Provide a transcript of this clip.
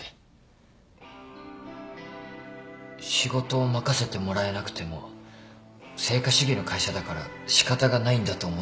仕事を任せてもらえなくても成果主義の会社だから仕方がないんだと思ってたんです。